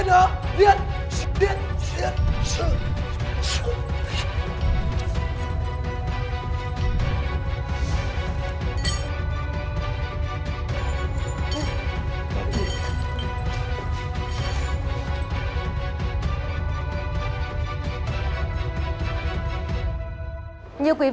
thêm tên ko nhiều